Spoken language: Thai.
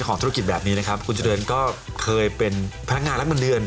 ของธุรกิจแบบนี้นะครับคุณเจริญก็เคยเป็นพนักงานรับเงินเดือน